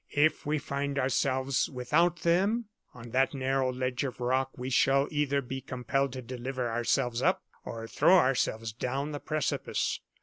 If we find ourselves without them, on that narrow ledge of rock, we shall either be compelled to deliver ourselves up, or throw ourselves down the precipice.